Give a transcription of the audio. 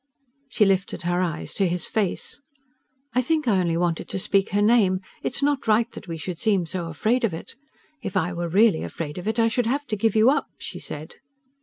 She lifted her eyes to his face. "I think I only wanted to speak her name. It's not right that we should seem so afraid of it. If I were really afraid of it I should have to give you up," she said.